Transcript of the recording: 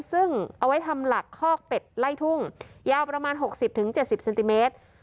ซึ่งเอาไว้ทำหลักคอกเป็ดไล่ทุ่งยาวประมาณหกสิบถึงเจ็ดสิบเซนติเมตร